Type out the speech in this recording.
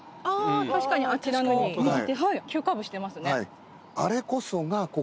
確かにあちらの右手急カーブしてますね。